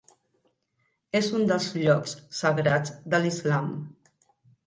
És un dels llocs sagrats de l'islam.